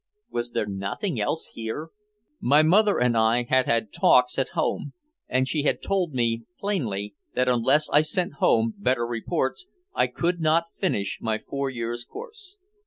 Was there nothing else here? My mother and I had had talks at home, and she had told me plainly that unless I sent home better reports I could not finish my four years' course.